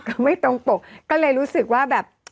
ก็ไม่ตรงปกก็เลยรู้สึกว่าแบบ